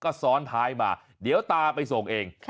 ก็ซ้อนท้ายมาเดี๋ยวตาไปส่งเอง